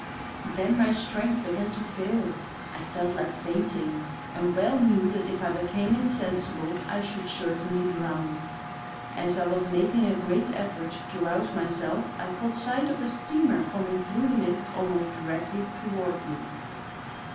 Then my strength began to fall; I felt like fainting, and well knew that if I became insensible I should certainly drown. " As I was making a great effort to rouse myself I caught sight of a steamer coming through the mist almost directly toward me.